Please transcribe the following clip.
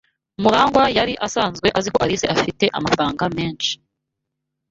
Murangwa yari asanzwe azi ko Alice afite amafaranga menshi.